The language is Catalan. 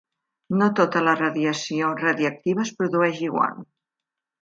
No tota la radiació radioactiva es produeix igual.